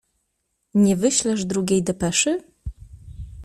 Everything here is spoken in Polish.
"Nie wyślesz drugiej depeszy?"